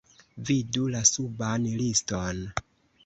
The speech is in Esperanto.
Vidu la suban liston!